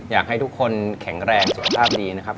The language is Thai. อยากให้ทุกคนแข็งแรงสุขภาพดีนะครับ